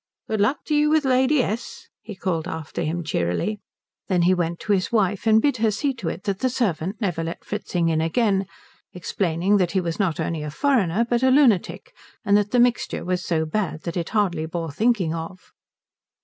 "Good luck to you with Lady S.!" he called after him cheerily. Then he went to his wife and bade her see to it that the servant never let Fritzing in again, explaining that he was not only a foreigner but a lunatic, and that the mixture was so bad that it hardly bore thinking of.